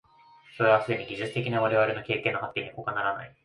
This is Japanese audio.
それはすでに技術的な我々の経験の発展にほかならない。